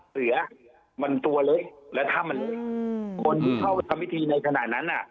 เสือมันตัวเล็กแล้วถ้ามันคนที่เข้าทำพิธีในขณะนั้นน่ะ